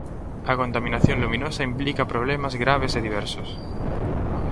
A contaminación luminosa implica problemas graves e diversos.